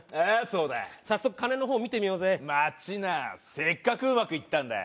そうだ早速金の方見てみようぜ待ちなせっかくうまくいったんだ